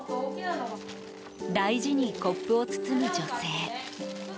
大事にコップを包む女性。